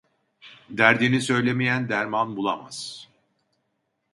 Derdini söylemeyen derman bulamaz.